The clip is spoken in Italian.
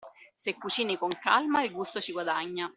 Se cucini con calma, il gusto ci guadagna.